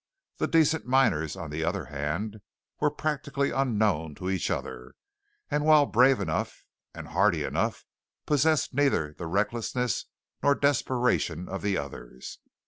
The decent miners, on the other hand, were practically unknown to each other; and, while brave enough and hardy enough, possessed neither the recklessness nor desperation of the others.